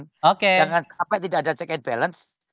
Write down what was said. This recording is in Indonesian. jangan sampai tidak ada check and balance